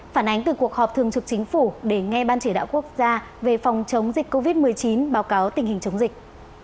phản ánh từ cuộc họp thường trực chính phủ để nghe ban chỉ đạo quốc gia về phòng chống dịch covid một mươi chín báo cáo tình hình chống dịch